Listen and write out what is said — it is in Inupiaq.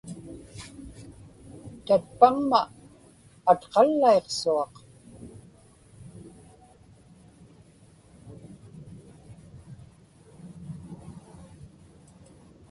tatpaŋma atqallaiqsuaq